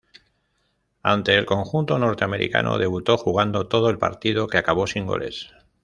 Ante el conjunto norteamericano debutó jugando todo el partido que acabó sin goles.